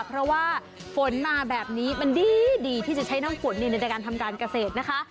เพราะว่าฝนมาแบบนี้มันดีที่จะใช้น้ำฝนในการทำการเกษตรนะคะ